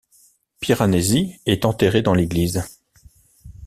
Piranesi est enterré dans l'église.